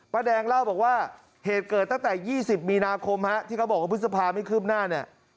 แดงเล่าบอกว่าเหตุเกิดตั้งแต่๒๐มีนาคมที่เขาบอกว่าพฤษภาไม่คืบหน้าเนี่ย